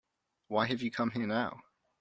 Why have you come here now?